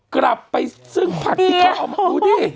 กลับไปซึ่งผักที่เขาเอามาดูดิ